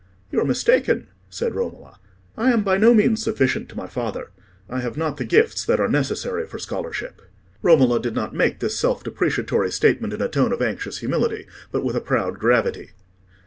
"You are mistaken," said Romola; "I am by no means sufficient to my father: I have not the gifts that are necessary for scholarship." Romola did not make this self depreciatory statement in a tone of anxious humility, but with a proud gravity.